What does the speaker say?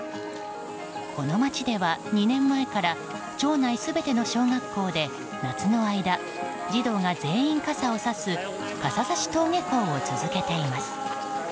この町では２年前から町内全ての小学校で夏の間、児童が全員傘をさす傘差し登下校を続けています。